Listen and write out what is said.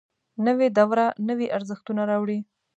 نوې دوره نوي ارزښتونه راوړي